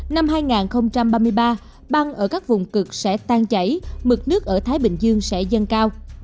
năm hai nghìn ba mươi ba băng ở các vùng cực sẽ tan chảy mực nước ở thái bình dương sẽ dâng cao